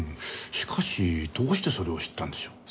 しかしどうしてそれを知ったんでしょう？